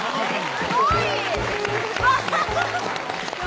・・すごい！